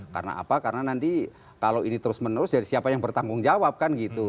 karena apa karena nanti kalau ini terus menerus jadi siapa yang bertanggung jawab kan gitu